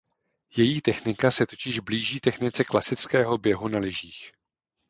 Její technika se totiž blíží technice klasického běhu na lyžích.